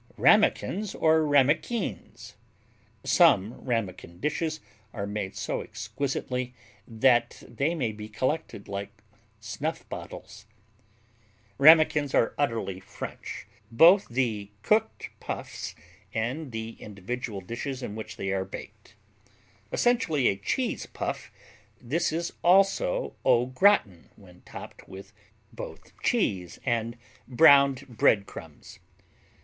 RAMEKINS OR RAMEQUINS Some Ramekin dishes are made so exquisitely that they may be collected like snuff bottles. Ramekins are utterly French, both the cooked Puffs and the individual dishes in which they are baked. Essentially a Cheese Puff, this is also au gratin when topped with both cheese and browned bread crumbs.